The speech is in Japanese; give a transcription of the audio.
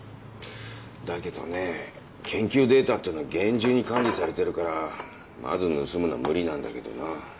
だけどね研究データってのは厳重に管理されてるからまず盗むのは無理なんだけどな。